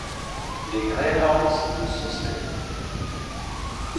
Les Greyhounds de Sault Ste.